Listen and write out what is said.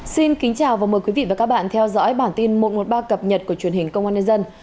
xin kính chào và mời quý vị và các bạn theo dõi bản tin một trăm một mươi ba cập nhật của truyền hình công an nhân dân